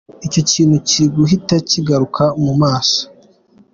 Icyo kintu kiriguhita kigaruka mu maso” .